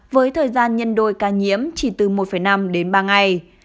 với thời gian nhân đôi ca nhiễm chỉ từ một năm đến ba ngày